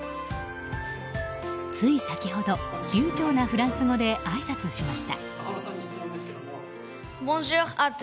つい先ほど流ちょうなフランス語であいさつしました。